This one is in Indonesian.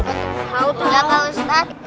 mau juga ustadz